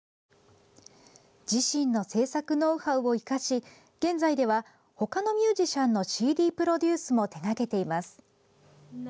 自身の制作ノウハウを生かし、現在ではほかのミュージシャンのＣＤプロデュースも手がけています。